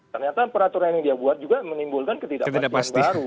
ternyata peraturan yang dia buat juga menimbulkan ketidakpastian baru